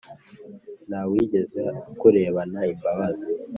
Nta wigeze akurebana imbabazi